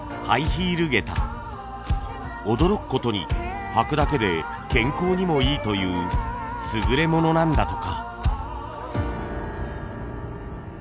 驚く事に履くだけで健康にもいいという優れものなんだとか。